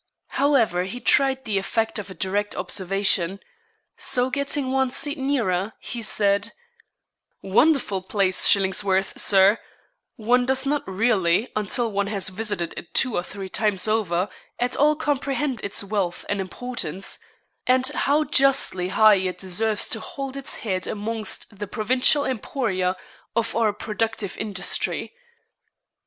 However, he tried the effect of a direct observation. So getting one seat nearer, he said: 'Wonderful place Shillingsworth, Sir; one does not really, until one has visited it two or three times over, at all comprehend its wealth and importance; and how justly high it deserves to hold its head amongst the provincial emporia of our productive industry.'